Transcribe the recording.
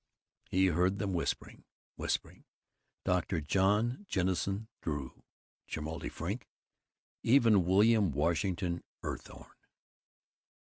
He heard them whispering whispering Dr. John Jennison Drew, Cholmondeley Frink, even William Washington Eathorne.